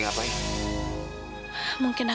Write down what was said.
bapak mau air